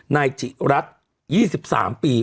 นายจิรัตร์อายุ๒๓ปี